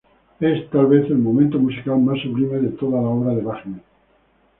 Es, tal vez, el momento musical más sublime de toda la obra de Wagner.